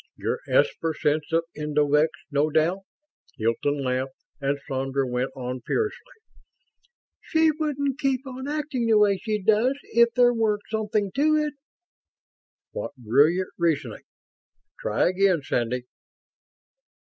"Your esper sense of endovix, no doubt." Hilton laughed and Sandra went on, furiously: "She wouldn't keep on acting the way she does if there weren't something to it!" "What brilliant reasoning! Try again, Sandy."